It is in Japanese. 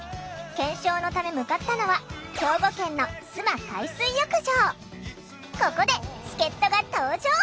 検証のため向かったのはここで助っとが登場！